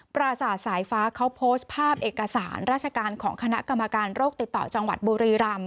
ปราศาสตร์สายฟ้าเขาโพสต์ภาพเอกสารราชการของคณะกรรมการโรคติดต่อจังหวัดบุรีรำ